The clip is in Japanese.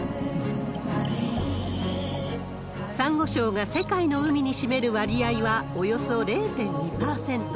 サンゴ礁が世界の海に占める割合はおよそ０．２％。